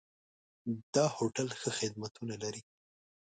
دا هوټل ښه خدمتونه لري.